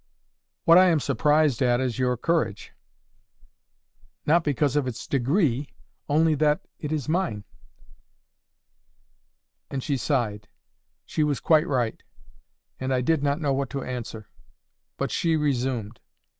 What I am surprised at is your courage." "Not because of its degree, only that it is mine!" And she sighed.—She was quite right, and I did not know what to answer. But she resumed.